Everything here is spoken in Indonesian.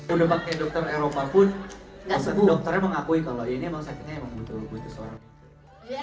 udah pakai dokter eropar pun dokternya mengakui kalau ini emang sakitnya emang butuh seorang